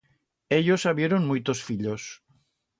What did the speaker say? Ellos habieron muitos fillos.